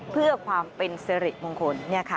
เพื่อความเป็นสิริมงคล